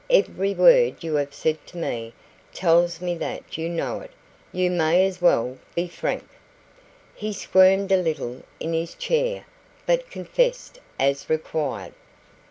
Every word you have said to me tells me that you know it. You may as well be frank." He squirmed a little in his chair, but confessed as required.